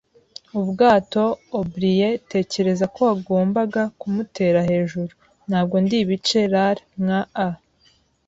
ubwato, O'Brien; tekereza ko wagombaga kumutera hejuru. Ntabwo ndi ibice'lar nka a